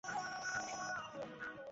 দেবো না আমি।